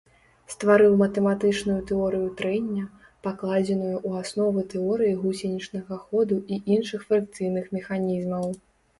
Стварыў матэматычную тэорыю трэння, пакладзеную ў аснову тэорыі гусенічнага ходу і іншых фрыкцыйных механізмаў.